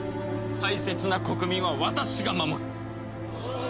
大切な国民は私が守る。